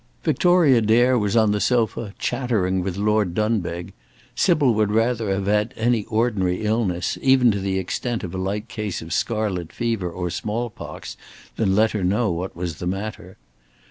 Victoria Dare was on the sofa, chattering with Lord Dunbeg; Sybil would rather have had any ordinary illness, even to the extent of a light case of scarlet fever or small pox than let her know what was the matter.